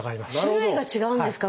種類が違うんですか？